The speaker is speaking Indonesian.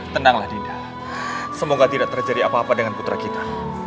tenanglah dinda semoga tidak terjadi apa apa dengan putra kita